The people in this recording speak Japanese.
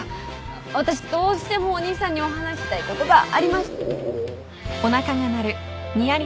私どうしてもお兄さんにお話ししたいことがありま。